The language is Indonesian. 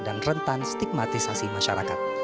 dan rentan stigmatisasi masyarakat